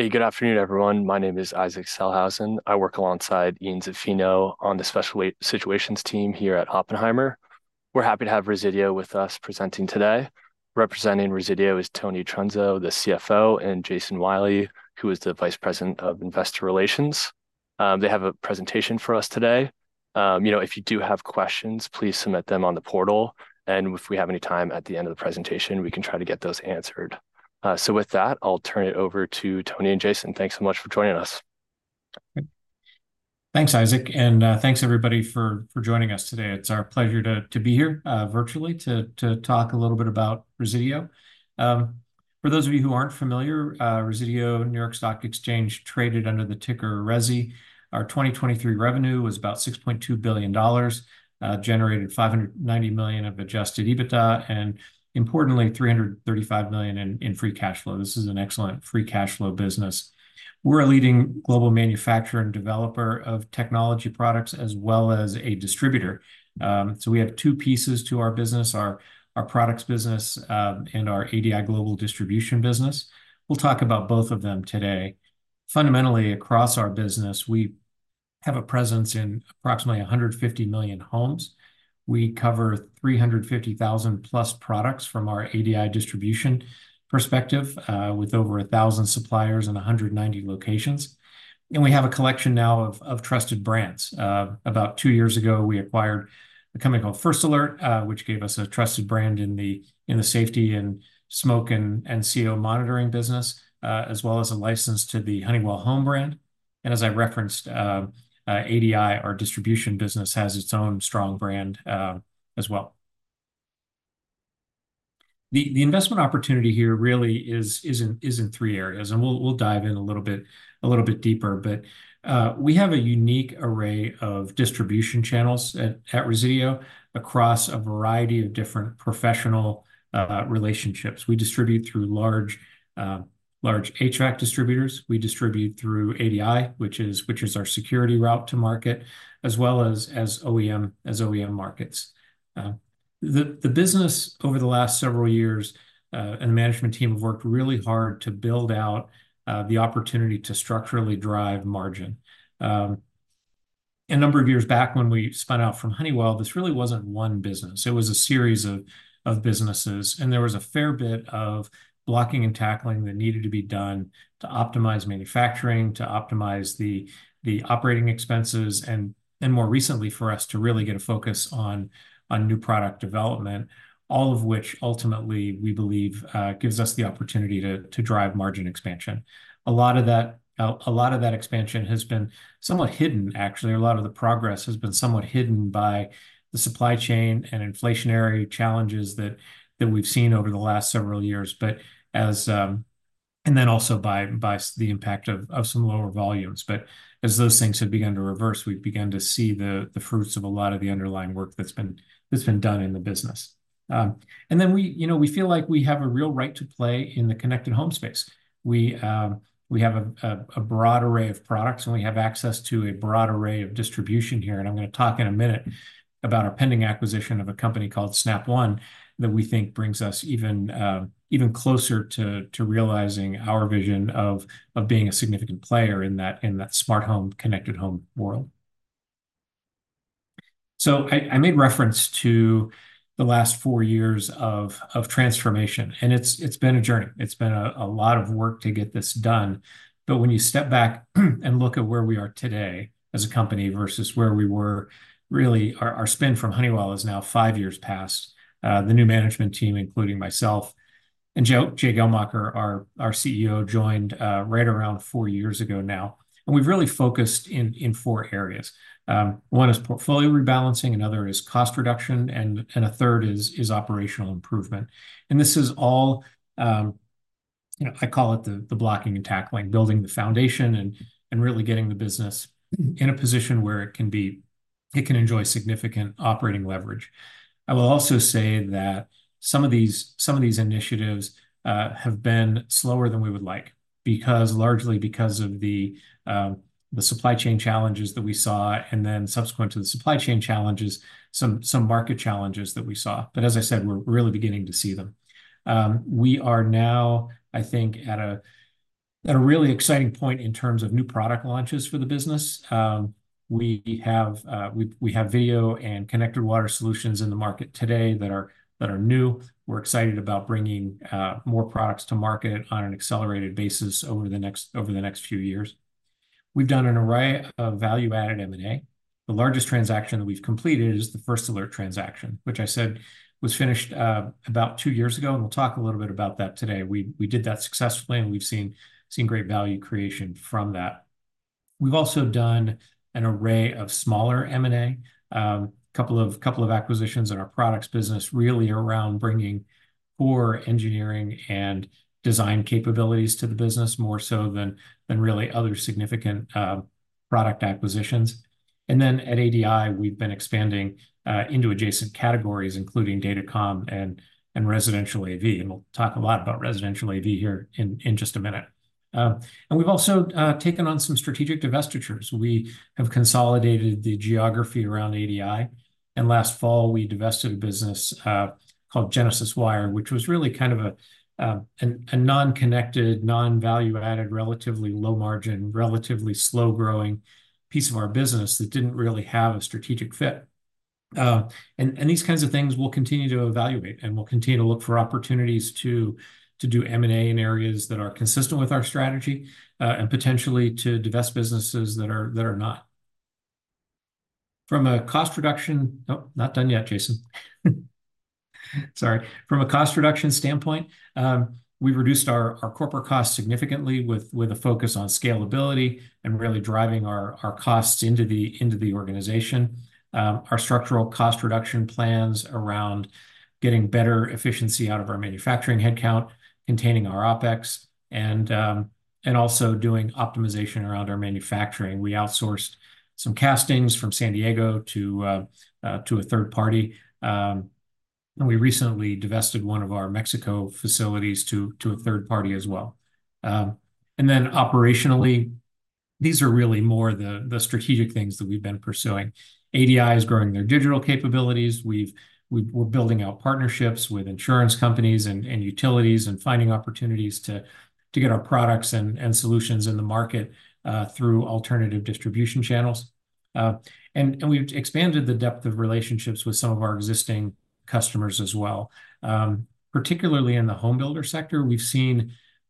Hey, good afternoon, everyone. My name is Isaac Sellhausen. I work alongside Ian Zaffino on the Special Situations team here at Oppenheimer. We're happy to have Resideo with us presenting today. Representing Resideo is Tony Trunzo, the CFO, and Jason Willey, who is the Vice President of Investor Relations. They have a presentation for us today. You know, if you do have questions, please submit them on the portal, and if we have any time at the end of the presentation, we can try to get those answered. So with that, I'll turn it over to Tony and Jason. Thanks so much for joining us. Thanks, Isaac, and thanks, everybody, for joining us today. It's our pleasure to be here virtually to talk a little bit about Resideo. For those of you who aren't familiar, Resideo, New York Stock Exchange, traded under the ticker REZI. Our 2023 revenue was about $6.2 billion, generated $590 million of Adjusted EBITDA, and importantly, $335 million in free cash flow. This is an excellent free cash flow business. We're a leading global manufacturer and developer of technology products as well as a distributor. So we have two pieces to our business: our products business, and our ADI Global Distribution business. We'll talk about both of them today. Fundamentally, across our business, we have a presence in approximately 150 million homes. We cover 350,000+ products from our ADI Distribution perspective, with over 1,000 suppliers and 190 locations, and we have a collection now of trusted brands. About two years ago, we acquired a company called First Alert, which gave us a trusted brand in the safety and smoke and CO monitoring business, as well as a license to the Honeywell Home brand. And as I referenced, ADI, our distribution business, has its own strong brand, as well. The investment opportunity here really is in three areas, and we'll dive in a little bit deeper. But we have a unique array of distribution channels at Resideo across a variety of different professional relationships. We distribute through large HVAC distributors. We distribute through ADI, which is our security route to market, as well as OEM markets. The business over the last several years and the management team have worked really hard to build out the opportunity to structurally drive margin. A number of years back, when we spun out from Honeywell, this really wasn't one business. It was a series of businesses, and there was a fair bit of blocking and tackling that needed to be done to optimize manufacturing, to optimize the operating expenses, and more recently, for us to really get a focus on new product development. All of which, ultimately, we believe, gives us the opportunity to drive margin expansion. A lot of that expansion has been somewhat hidden, actually. A lot of the progress has been somewhat hidden by the supply chain and inflationary challenges that, that we've seen over the last several years. But as, and then also by, by the impact of, of some lower volumes. But as those things have begun to reverse, we've begun to see the, the fruits of a lot of the underlying work that's been, that's been done in the business. And then we, you know, we feel like we have a real right to play in the connected home space. We, we have a broad array of products, and we have access to a broad array of distribution here, and I'm gonna talk in a minute about our pending acquisition of a company called Snap One, that we think brings us even, even closer to realizing our vision of being a significant player in that smart home, connected home world. So I made reference to the last four years of transformation, and it's been a journey. It's been a lot of work to get this done. But when you step back and look at where we are today as a company versus where we were, really, our spin from Honeywell is now five years past. The new management team, including myself and Jay Geldmacher, our CEO, joined right around 4 years ago now, and we've really focused in four areas. One is portfolio rebalancing, another is cost reduction, and a third is operational improvement. And this is all, you know, I call it the blocking and tackling, building the foundation and really getting the business in a position where it can enjoy significant operating leverage. I will also say that some of these initiatives have been slower than we would like, because largely because of the supply chain challenges that we saw, and then subsequent to the supply chain challenges, some market challenges that we saw. But as I said, we're really beginning to see them. We are now, I think, at a really exciting point in terms of new product launches for the business. We have video and connected water solutions in the market today that are new. We're excited about bringing more products to market on an accelerated basis over the next few years. We've done an array of value-added M&A. The largest transaction that we've completed is the First Alert transaction, which I said was finished about two years ago, and we'll talk a little bit about that today. We did that successfully, and we've seen great value creation from that. We've also done an array of smaller M&A. A couple of acquisitions in our products business, really around bringing core engineering and design capabilities to the business, more so than really other significant product acquisitions. And then at ADI, we've been expanding into adjacent categories, including datacom and residential AV, and we'll talk a lot about residential AV here in just a minute. And we've also taken on some strategic divestitures. We have consolidated the geography around ADI, and last fall, we divested a business called Genesis Wire, which was really kind of a non-connected, non-value-added, relatively low margin, relatively slow-growing piece of our business that didn't really have a strategic fit. And these kinds of things we'll continue to evaluate, and we'll continue to look for opportunities to do M&A in areas that are consistent with our strategy, and potentially to divest businesses that are not. From a cost reduction... Oh, not done yet, Jason. Sorry. From a cost reduction standpoint, we've reduced our corporate costs significantly with a focus on scalability and really driving our costs into the organization. Our structural cost reduction plans around getting better efficiency out of our manufacturing headcount, containing our OpEx, and also doing optimization around our manufacturing. We outsourced some castings from San Diego to a third party. And we recently divested one of our Mexico facilities to a third party as well. And then operationally, these are really more the strategic things that we've been pursuing. ADI is growing their digital capabilities. We're building out partnerships with insurance companies and utilities and finding opportunities to get our products and solutions in the market through alternative distribution channels. And we've expanded the depth of relationships with some of our existing customers as well. Particularly in the home builder sector, we've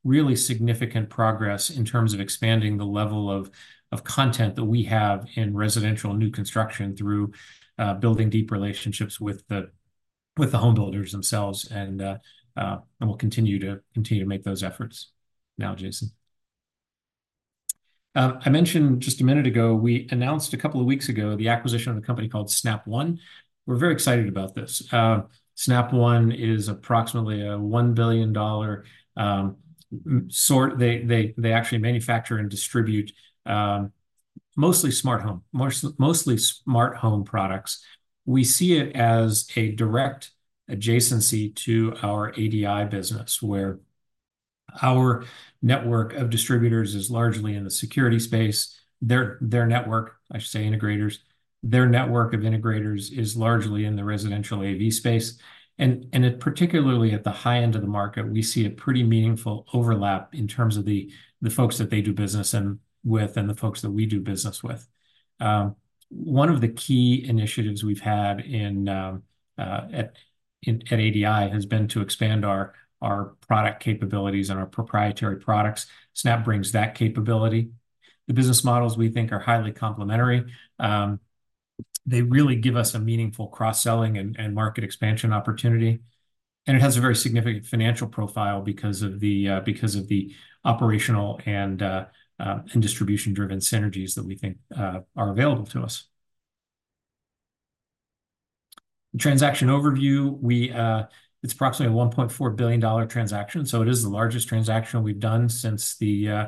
seen really significant progress in terms of expanding the level of content that we have in residential new construction through building deep relationships with the home builders themselves, and we'll continue to make those efforts. Now, Jason. I mentioned just a minute ago, we announced a couple of weeks ago, the acquisition of a company called Snap One. We're very excited about this. Snap One is approximately a $1 billion. They actually manufacture and distribute mostly smart home products. We see it as a direct adjacency to our ADI business, where our network of distributors is largely in the security space. Their network, I should say, integrators, their network of integrators is largely in the residential AV space. And it, particularly at the high end of the market, we see a pretty meaningful overlap in terms of the folks that they do business and with, and the folks that we do business with. One of the key initiatives we've had at ADI has been to expand our product capabilities and our proprietary products. Snap brings that capability. The business models we think are highly complementary. They really give us a meaningful cross-selling and market expansion opportunity, and it has a very significant financial profile because of the operational and distribution-driven synergies that we think are available to us. The transaction overview, it's approximately a $1.4 billion transaction, so it is the largest transaction we've done since the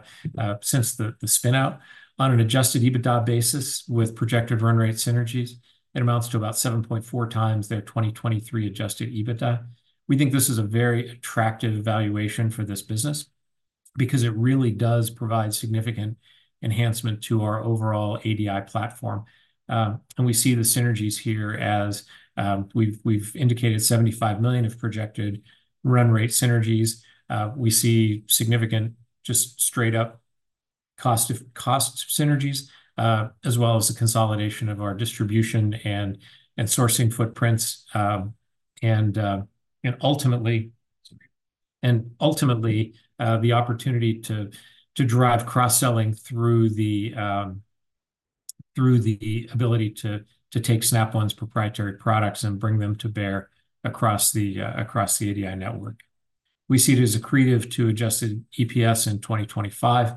spin-out. On an adjusted EBITDA basis with projected run rate synergies, it amounts to about 7.4x their 2023 adjusted EBITDA. We think this is a very attractive valuation for this business because it really does provide significant enhancement to our overall ADI platform. And we see the synergies here as we've indicated $75 million of projected run rate synergies. We see significant, just straight up cost synergies, as well as the consolidation of our distribution and sourcing footprints. And ultimately, the opportunity to drive cross-selling through the ability to take Snap One's proprietary products and bring them to bear across the ADI network. We see it as accretive to Adjusted EPS in 2025,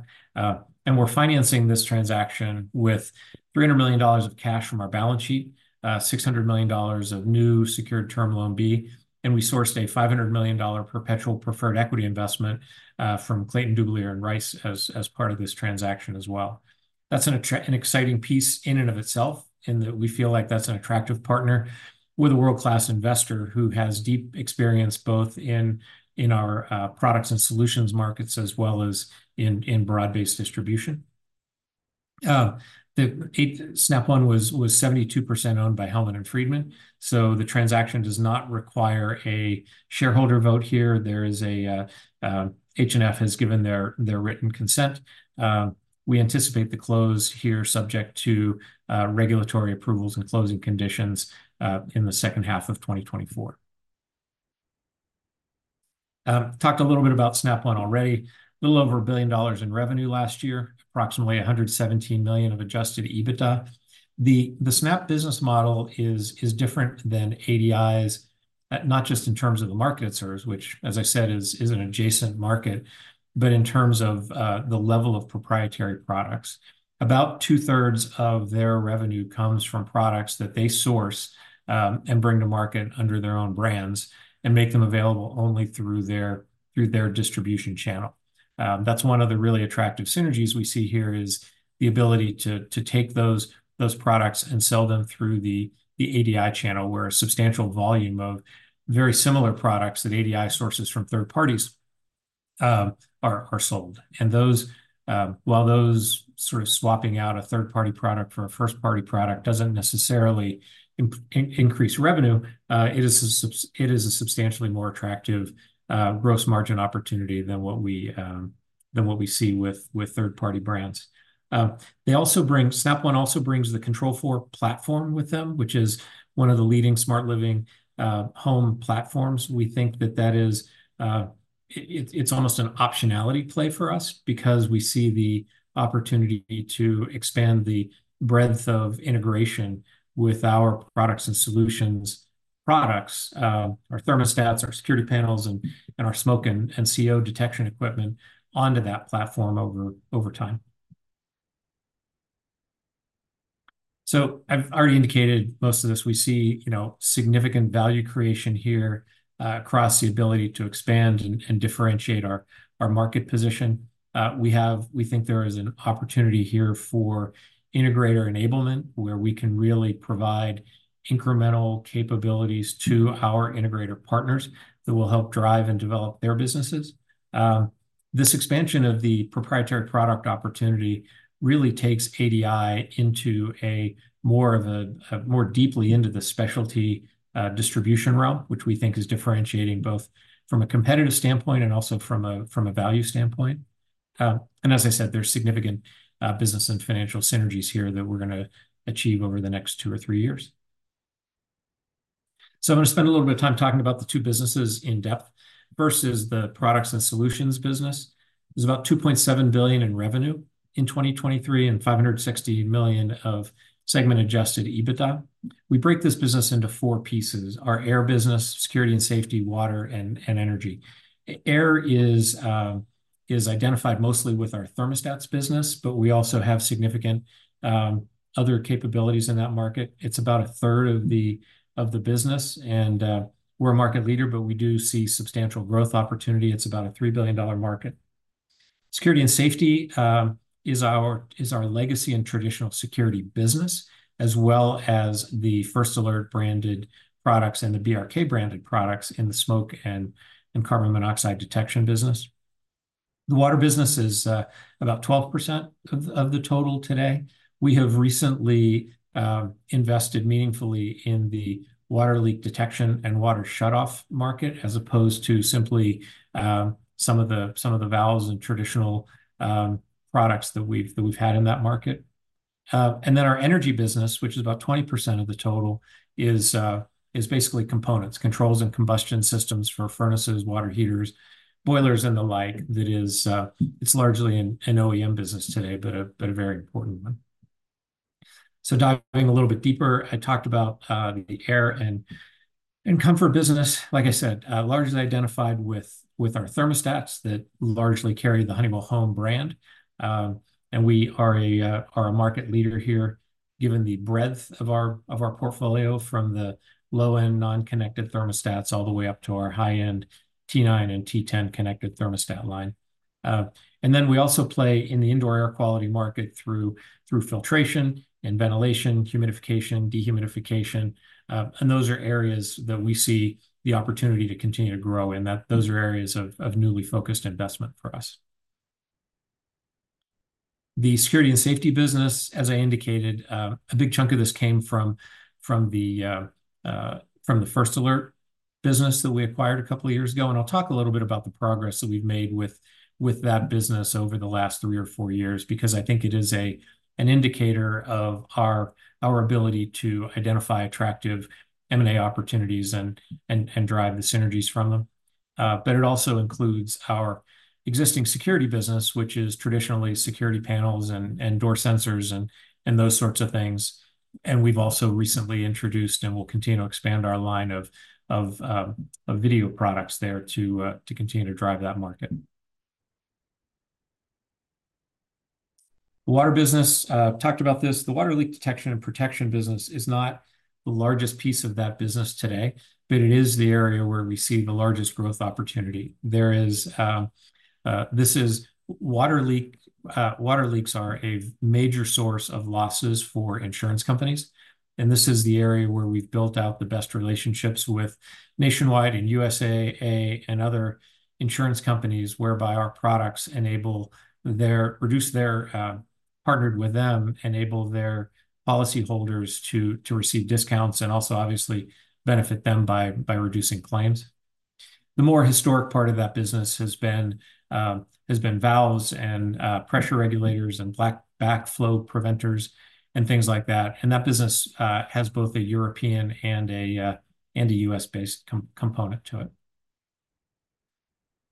and we're financing this transaction with $300 million of cash from our balance sheet, $600 million of new secured Term Loan B, and we sourced a $500 million perpetual preferred equity investment from Clayton, Dubilier & Rice as part of this transaction as well. That's an exciting piece in and of itself, in that we feel like that's an attractive partner with a world-class investor who has deep experience, both in our products and solutions markets, as well as in broad-based distribution. Snap One was 72% owned by Hellman & Friedman, so the transaction does not require a shareholder vote here. H&F has given their written consent. We anticipate the close here, subject to regulatory approvals and closing conditions, in the second half of 2024. Talked a little bit about Snap One already. A little over $1 billion in revenue last year, approximately $117 million of adjusted EBITDA. The Snap business model is different than ADI's, not just in terms of the markets, which, as I said, is an adjacent market, but in terms of the level of proprietary products. About two-thirds of their revenue comes from products that they source and bring to market under their own brands and make them available only through their distribution channel. That's one of the really attractive synergies we see here, is the ability to take those products and sell them through the ADI channel, where a substantial volume of very similar products that ADI sources from third parties are sold. Those, while those sort of swapping out a third-party product for a first-party product doesn't necessarily increase revenue, it is a substantially more attractive gross margin opportunity than what we see with third-party brands. They also bring, Snap One also brings the Control4 platform with them, which is one of the leading smart living home platforms. We think that that is... It's almost an optionality play for us because we see the opportunity to expand the breadth of integration with our products and solutions products, our thermostats, our security panels, and our smoke and CO detection equipment onto that platform over time. I've already indicated most of this. We see, you know, significant value creation here, across the ability to expand and differentiate our market position. We think there is an opportunity here for integrator enablement, where we can really provide incremental capabilities to our integrator partners that will help drive and develop their businesses. This expansion of the proprietary product opportunity really takes ADI into a more of a more deeply into the specialty distribution realm, which we think is differentiating both from a competitive standpoint and also from a value standpoint. And as I said, there's significant business and financial synergies here that we're gonna achieve over the next two or three years. So I'm gonna spend a little bit of time talking about the two businesses in depth. First is the products and solutions business. It was about $2.7 billion in revenue in 2023, and $560 million of segment-adjusted EBITDA. We break this business into four pieces: our air business, security and safety, water, and energy. Air is identified mostly with our thermostats business, but we also have significant other capabilities in that market. It's about a third of the business, and we're a market leader, but we do see substantial growth opportunity. It's about a $3 billion market. Security and safety is our legacy and traditional security business, as well as the First Alert branded products and the BRK branded products in the smoke and carbon monoxide detection business. The water business is about 12% of the total today. We have recently invested meaningfully in the water leak detection and water shutoff market, as opposed to simply some of the valves and traditional products that we've had in that market. And then our energy business, which is about 20% of the total, is basically components, controls, and combustion systems for furnaces, water heaters, boilers, and the like. That is, it's largely an OEM business today, but a very important one. So diving a little bit deeper, I talked about the air and comfort business. Like I said, largely identified with our thermostats that largely carry the Honeywell Home brand. And we are a market leader here, given the breadth of our portfolio, from the low-end, non-connected thermostats, all the way up to our high-end T9 and T10 connected thermostat line. And then we also play in the indoor air quality market through filtration and ventilation, humidification, dehumidification, and those are areas that we see the opportunity to continue to grow, and those are areas of newly focused investment for us. The security and safety business, as I indicated, a big chunk of this came from the First Alert business that we acquired a couple of years ago, and I'll talk a little bit about the progress that we've made with that business over the last three or four years, because I think it is an indicator of our ability to identify attractive M&A opportunities and drive the synergies from them. But it also includes our existing security business, which is traditionally security panels and door sensors and those sorts of things. And we've also recently introduced, and we'll continue to expand our line of video products there to continue to drive that market. The water business, I've talked about this. The water leak detection and protection business is not the largest piece of that business today, but it is the area where we see the largest growth opportunity. Water leaks are a major source of losses for insurance companies, and this is the area where we've built out the best relationships with Nationwide and USAA and other insurance companies, whereby our products enable their... reduce their, partnered with them, enable their policyholders to receive discounts, and also obviously benefit them by reducing claims. The more historic part of that business has been valves and pressure regulators, and backflow preventers, and things like that. And that business has both a European and a U.S.-based component to it.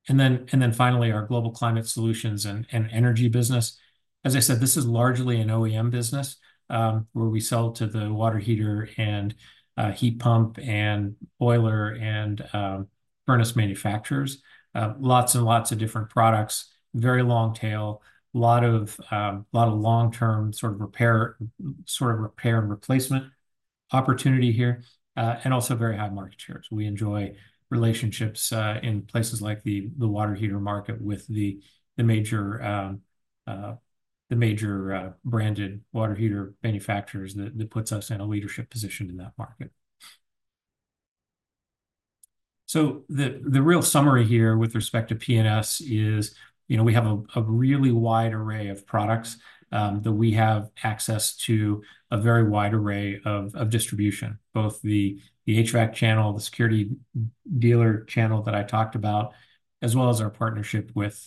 And then finally, our global climate solutions and energy business. As I said, this is largely an OEM business, where we sell to the water heater and heat pump and boiler and furnace manufacturers. Lots and lots of different products, very long tail, a lot of long-term sort of repair and replacement opportunity here, and also very high market share. So we enjoy relationships in places like the water heater market with the major branded water heater manufacturers that puts us in a leadership position in that market. So the real summary here with respect to PNS is, you know, we have a really wide array of products that we have access to a very wide array of distribution, both the HVAC channel, the security dealer channel that I talked about, as well as our partnership with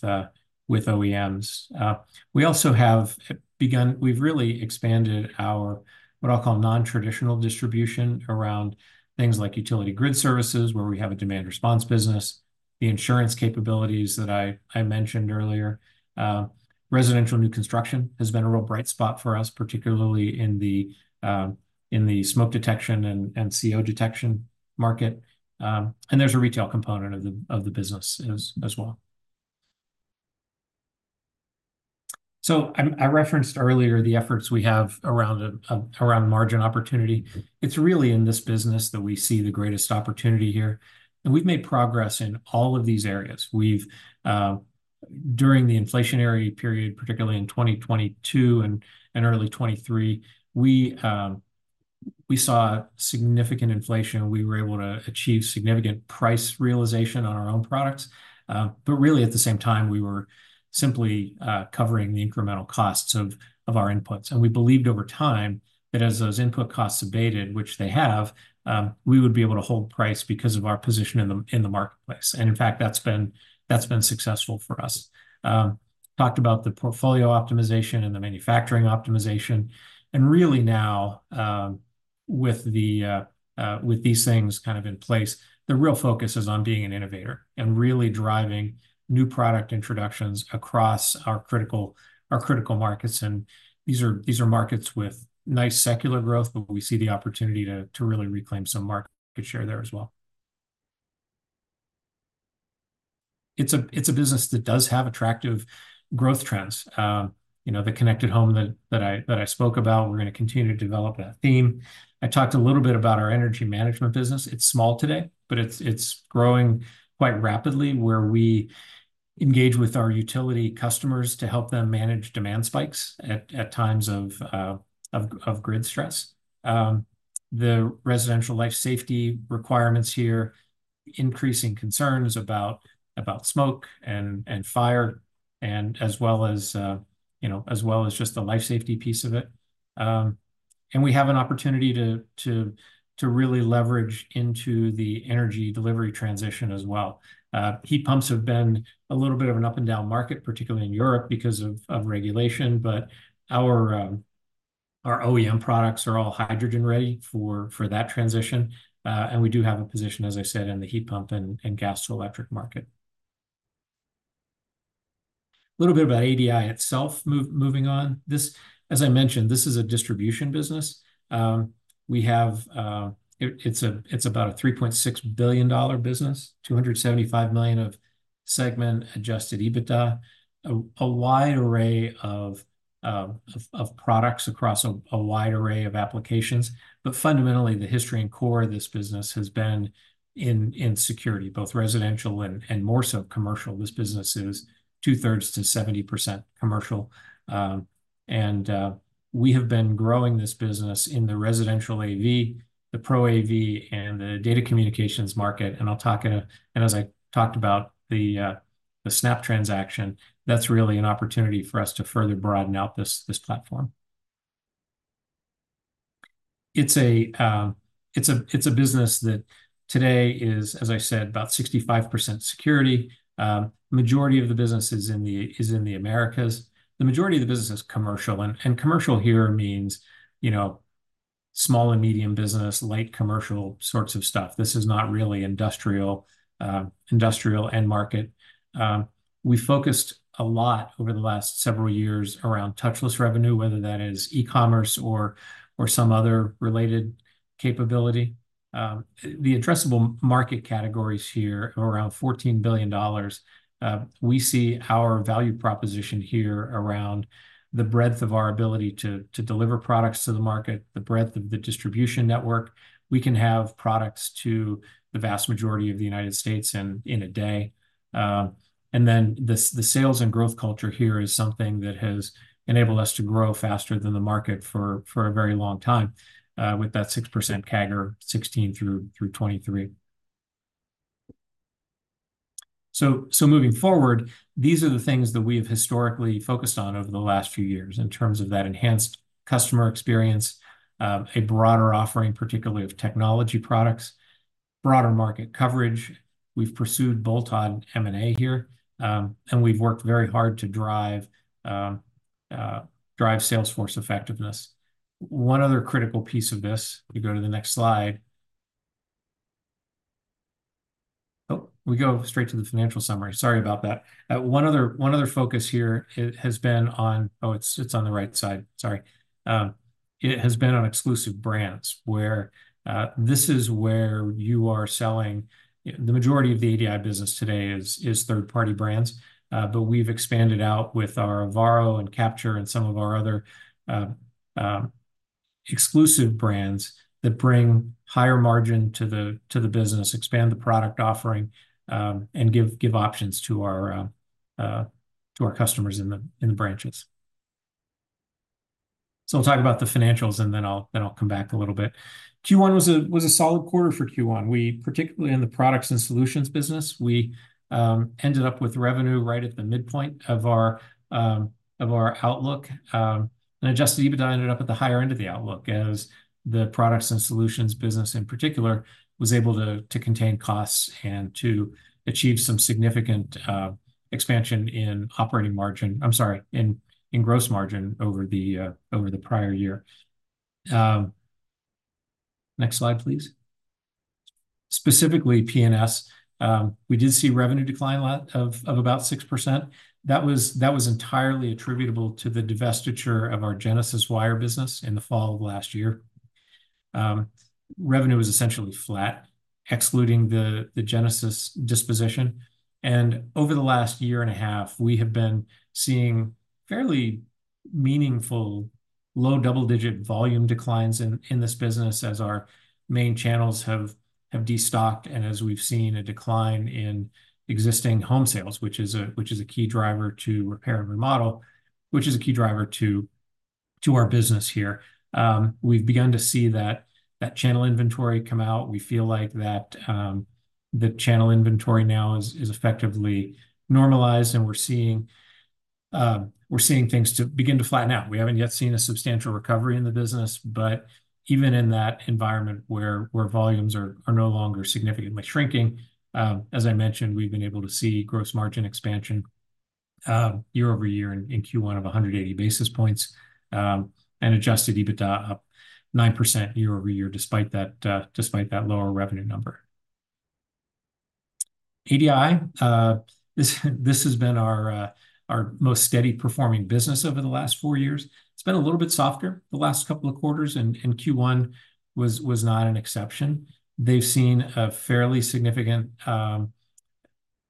OEMs. We also have begun we've really expanded our what I'll call non-traditional distribution around things like utility grid services, where we have a demand response business. The insurance capabilities that I mentioned earlier. Residential new construction has been a real bright spot for us, particularly in the smoke detection and CO detection market. And there's a retail component of the business as well. So I referenced earlier the efforts we have around margin opportunity. It's really in this business that we see the greatest opportunity here, and we've made progress in all of these areas. We've. During the inflationary period, particularly in 2022 and early 2023, we saw significant inflation. We were able to achieve significant price realization on our own products. But really, at the same time, we were simply covering the incremental costs of our inputs. And we believed over time that as those input costs abated, which they have, we would be able to hold price because of our position in the marketplace. And in fact, that's been successful for us. Talked about the portfolio optimization and the manufacturing optimization, and really now, with these things kind of in place, the real focus is on being an innovator and really driving new product introductions across our critical markets. And these are markets with nice secular growth, but we see the opportunity to really reclaim some market share there as well. It's a business that does have attractive growth trends. You know, the connected home that I spoke about, we're going to continue to develop that theme. I talked a little bit about our energy management business. It's small today, but it's growing quite rapidly, where we engage with our utility customers to help them manage demand spikes at times of grid stress. The residential life safety requirements here, increasing concerns about smoke and fire, and as well as, you know, as well as just the life safety piece of it. And we have an opportunity to really leverage into the energy delivery transition as well. Heat pumps have been a little bit of an up-and-down market, particularly in Europe, because of regulation. But our OEM products are all hydrogen-ready for that transition. And we do have a position, as I said, in the heat pump and gas to electric market. A little bit about ADI itself. Moving on, this, as I mentioned, this is a distribution business. We have. It's about a $3.6 billion business, $275 million of segment-adjusted EBITDA. A wide array of products across a wide array of applications. But fundamentally, the history and core of this business has been in security, both residential and more so commercial. This business is two-thirds to 70% commercial. We have been growing this business in the residential AV, the Pro AV, and the data communications market. And as I talked about the Snap transaction, that's really an opportunity for us to further broaden out this platform. It's a business that today is, as I said, about 65% security. Majority of the business is in the Americas. The majority of the business is commercial, and commercial here means, you know, small and medium business, light commercial sorts of stuff. This is not really industrial end market. We focused a lot over the last several years around touchless revenue, whether that is e-commerce or, or some other related capability. The addressable market categories here are around $14 billion. We see our value proposition here around the breadth of our ability to deliver products to the market, the breadth of the distribution network. We can have products to the vast majority of the United States in a day. And then the sales and growth culture here is something that has enabled us to grow faster than the market for a very long time, with that 6% CAGR, 2016 through 2023. So moving forward, these are the things that we have historically focused on over the last few years in terms of that enhanced customer experience, a broader offering, particularly of technology products, broader market coverage. We've pursued bolt-on M&A here, and we've worked very hard to drive salesforce effectiveness. One other critical piece of this, if you go to the next slide. Oh, we go straight to the financial summary. Sorry about that. One other focus here has been on. Oh, it's on the right side. Sorry. It has been on exclusive brands, where... This is where you are selling the majority of the ADI business today is third-party brands, but we've expanded out with our Avarro and Capture and some of our other exclusive brands that bring higher margin to the business, expand the product offering, and give options to our customers in the branches.... So we'll talk about the financials, and then I'll come back a little bit. Q1 was a solid quarter for Q1. We, particularly in the products and solutions business, we ended up with revenue right at the midpoint of our outlook. And adjusted EBITDA ended up at the higher end of the outlook, as the products and solutions business, in particular, was able to contain costs and to achieve some significant expansion in operating margin, I'm sorry, in gross margin over the prior year. Next slide, please. Specifically, PNS, we did see revenue decline of about 6%. That was entirely attributable to the divestiture of our Genesis Wire business in the fall of last year. Revenue was essentially flat, excluding the Genesis disposition, and over the last year and a half, we have been seeing fairly meaningful low double-digit volume declines in this business as our main channels have destocked and as we've seen a decline in existing home sales, which is a key driver to repair and remodel, which is a key driver to our business here. We've begun to see that channel inventory come out. We feel like that the channel inventory now is effectively normalized, and we're seeing things to begin to flatten out. We haven't yet seen a substantial recovery in the business, but even in that environment where volumes are no longer significantly shrinking, as I mentioned, we've been able to see gross margin expansion, year-over-year in Q1 of 180 basis points, and Adjusted EBITDA up 9% year-over-year, despite that lower revenue number. ADI, this has been our most steady-performing business over the last four years. It's been a little bit softer the last couple of quarters, and Q1 was not an exception. They've seen a fairly significant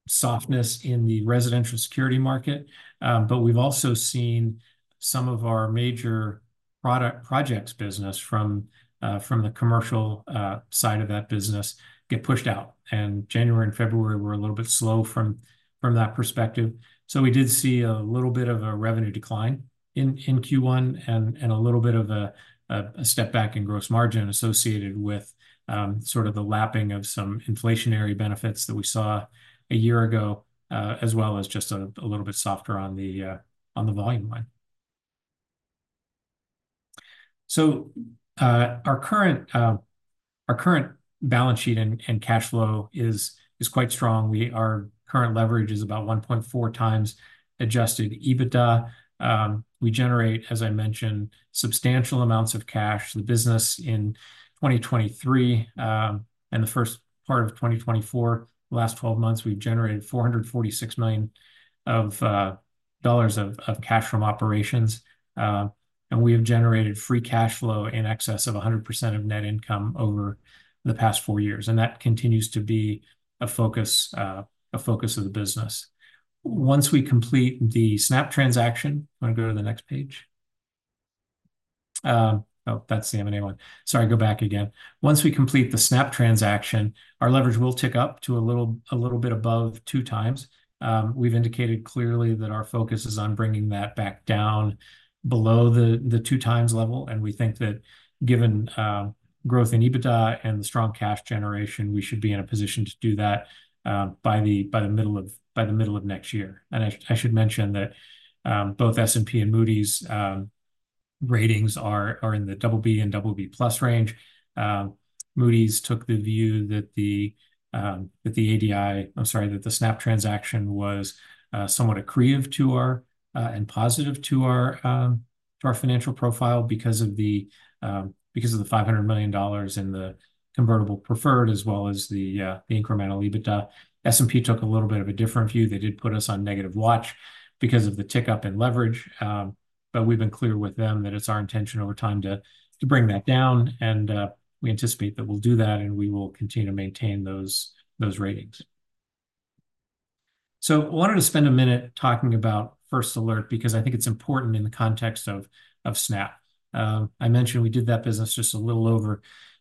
softness in the residential security market. But we've also seen some of our major projects business from the commercial side of that business get pushed out, and January and February were a little bit slow from that perspective. So we did see a little bit of a revenue decline in Q1 and a little bit of a step back in gross margin associated with sort of the lapping of some inflationary benefits that we saw a year ago, as well as just a little bit softer on the volume line. So our current balance sheet and cash flow is quite strong. Our current leverage is about 1.4 times adjusted EBITDA. We generate, as I mentioned, substantial amounts of cash. The business in 2023 and the first part of 2024, the last 12 months, we've generated $446 million of cash from operations, and we have generated free cash flow in excess of 100% of net income over the past 4 years, and that continues to be a focus of the business. Once we complete the Snap transaction... You want to go to the next page? Oh, that's the M&A one. Sorry, go back again. Once we complete the Snap transaction, our leverage will tick up to a little bit above 2x. We've indicated clearly that our focus is on bringing that back down below the 2x level, and we think that given growth in EBITDA and the strong cash generation, we should be in a position to do that by the middle of next year. And I should mention that both S&P and Moody's ratings are in the double B and double B plus range. Moody's took the view that the ADI—I'm sorry, that the Snap transaction was somewhat accretive to our and positive to our financial profile because of the $500 million in the convertible preferred, as well as the incremental EBITDA. S&P took a little bit of a different view. They did put us on negative watch because of the tick up in leverage, but we've been clear with them that it's our intention over time to bring that down, and we anticipate that we'll do that, and we will continue to maintain those ratings. So I wanted to spend a minute talking about First Alert because I think it's important in the context of Snap. I mentioned we did that business just a little over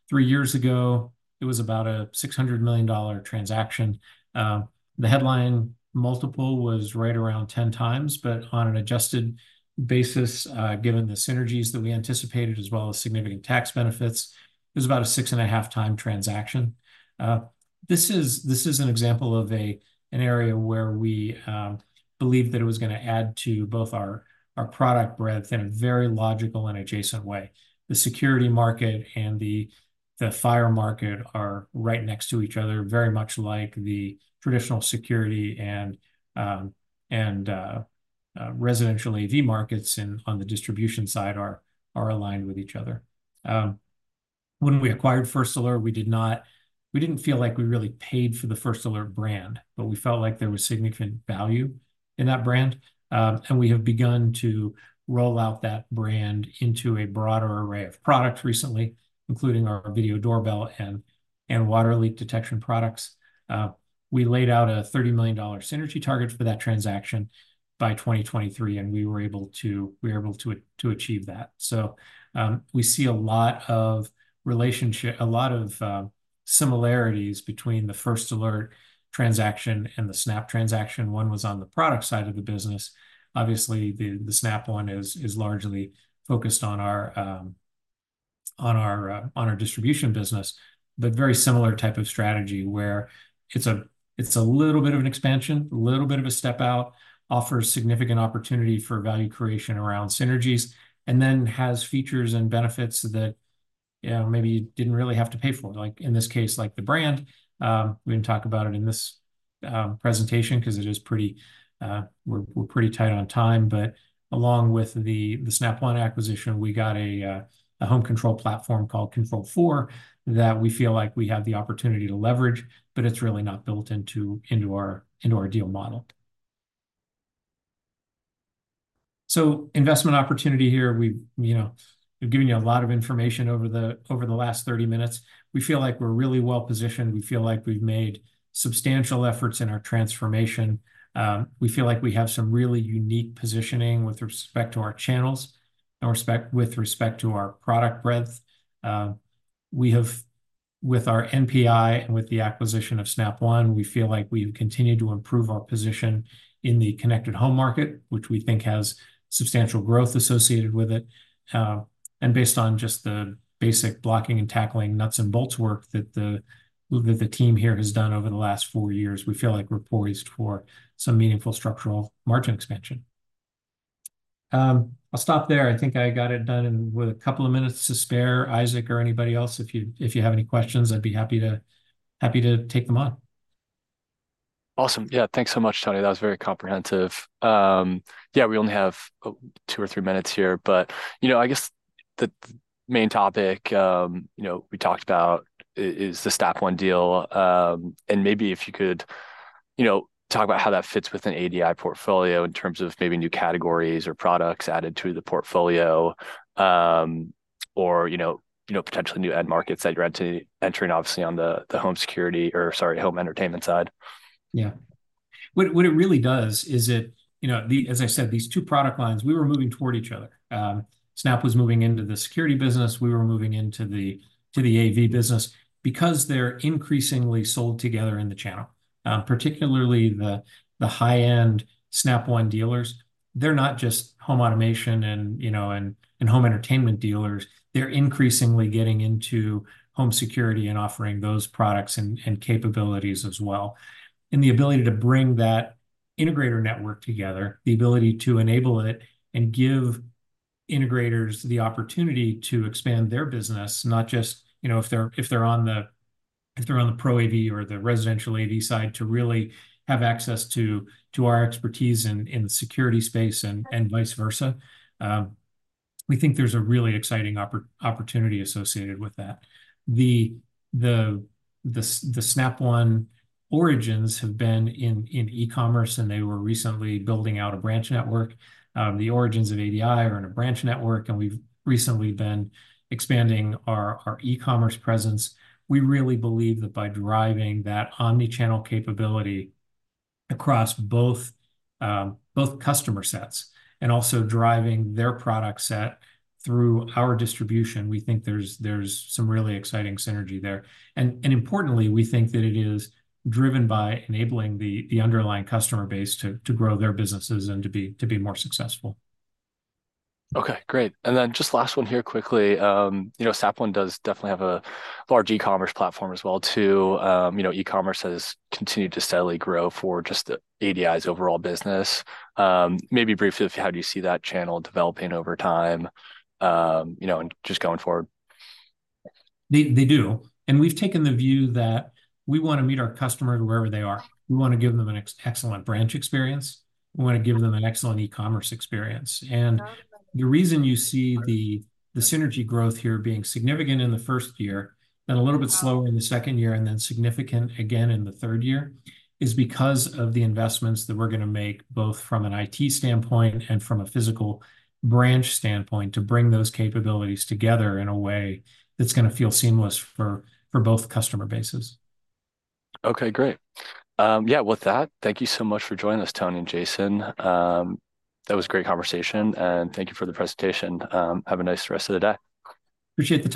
three years ago. It was about a $600 million transaction. The headline multiple was right around 10x, but on an adjusted basis, given the synergies that we anticipated, as well as significant tax benefits, it was about a 6.5x transaction. This is an example of an area where we believed that it was gonna add to both our product breadth in a very logical and adjacent way. The security market and the fire market are right next to each other, very much like the traditional security and residential AV markets and on the distribution side are aligned with each other. When we acquired First Alert, we didn't feel like we really paid for the First Alert brand, but we felt like there was significant value in that brand. We have begun to roll out that brand into a broader array of products recently, including our video doorbell and water leak detection products. We laid out a $30 million synergy target for that transaction by 2023, and we were able to achieve that. So, we see a lot of relationships, a lot of similarities between the First Alert transaction and the Snap One transaction. One was on the product side of the business. Obviously, the Snap One is largely focused on our distribution business, but very similar type of strategy, where it's a little bit of an expansion, a little bit of a step out, offers significant opportunity for value creation around synergies, and then has features and benefits that, you know, maybe you didn't really have to pay for. Like, in this case, like the brand, we're gonna talk about it in this presentation 'cause it is pretty, we're pretty tight on time. But along with the Snap One acquisition, we got a home control platform called Control4, that we feel like we have the opportunity to leverage, but it's really not built into our deal model. So investment opportunity here, we've, you know, we've given you a lot of information over the last 30 minutes. We feel like we're really well positioned. We feel like we've made substantial efforts in our transformation. We feel like we have some really unique positioning with respect to our channels and with respect to our product breadth. We have, with our NPI and with the acquisition of Snap One, we feel like we've continued to improve our position in the connected home market, which we think has substantial growth associated with it. And based on just the basic blocking and tackling nuts and bolts work that the team here has done over the last four years, we feel like we're poised for some meaningful structural margin expansion. I'll stop there. I think I got it done and with a couple of minutes to spare. Isaac or anybody else, if you have any questions, I'd be happy to take them on. Awesome. Yeah. Thanks so much, Tony. That was very comprehensive. Yeah, we only have two or three minutes here, but, you know, I guess the main topic, you know, we talked about is the Snap One deal. And maybe if you could, you know, talk about how that fits with an ADI portfolio in terms of maybe new categories or products added to the portfolio, or, you know, you know, potential new end markets that you're entering, obviously, on the, the home security or, sorry, home entertainment side. Yeah. What it really does is it. You know, the—as I said, these two product lines, we were moving toward each other. Snap was moving into the security business, we were moving into the to the AV business, because they're increasingly sold together in the channel, particularly the the high-end Snap One dealers. They're not just home automation and, you know, and, and home entertainment dealers. They're increasingly getting into home security and offering those products and, and capabilities as well. And the ability to bring that integrator network together, the ability to enable it and give integrators the opportunity to expand their business, not just, you know, if they're, if they're on the, if they're on the pro AV or the residential AV side, to really have access to, to our expertise in, in the security space and, and vice versa. We think there's a really exciting opportunity associated with that. The Snap One origins have been in e-commerce, and they were recently building out a branch network. The origins of ADI are in a branch network, and we've recently been expanding our e-commerce presence. We really believe that by driving that omni-channel capability across both customer sets and also driving their product set through our distribution, we think there's some really exciting synergy there. And importantly, we think that it is driven by enabling the underlying customer base to grow their businesses and to be more successful. Okay, great. And then just last one here quickly. You know, Snap One does definitely have a large e-commerce platform as well, too. You know, e-commerce has continued to steadily grow for just the ADI's overall business. Maybe briefly, how do you see that channel developing over time, you know, and just going forward? They do, and we've taken the view that we wanna meet our customers wherever they are. We wanna give them an excellent branch experience. We wanna give them an excellent e-commerce experience. And the reason you see the synergy growth here being significant in the first year, and a little bit slower in the second year, and then significant again in the third year, is because of the investments that we're gonna make, both from an IT standpoint and from a physical branch standpoint, to bring those capabilities together in a way that's gonna feel seamless for both customer bases. Okay, great. Yeah, with that, thank you so much for joining us, Tony and Jason. That was great conversation, and thank you for the presentation. Have a nice rest of the day. Appreciate the-